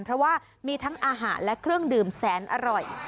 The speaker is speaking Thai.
เพราะว่ามีทั้งอาหารและเครื่องดื่มแสนอร่อย